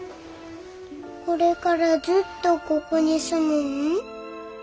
これからずっとここに住むん？